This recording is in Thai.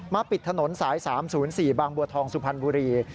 ปิดถนนสาย๓๐๔บางบัวทองสุพรรณบุรี